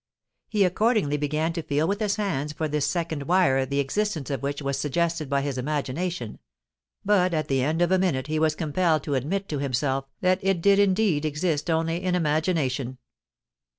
He accordingly began to feel with his hands for this second wire the existence of which was suggested by his imagination; but at the end of a minute he was compelled to admit to himself that it did indeed exist only in imagination.